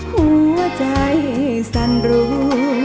หัวใจสั่นรู้